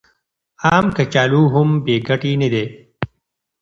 عام کچالو هم بې ګټې نه دي.